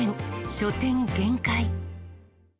書店限界。